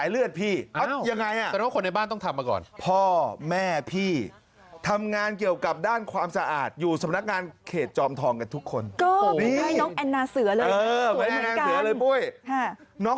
เป็นพนักงานกวาดถนนประจำเขตจอมท้อง